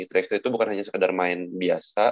tri x tree itu bukan hanya sekedar main biasa